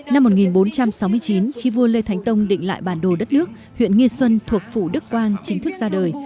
năm một nghìn bốn trăm sáu mươi chín khi vua lê thánh tông định lại bản đồ đất nước huyện nghi xuân thuộc phủ đức quang chính thức ra đời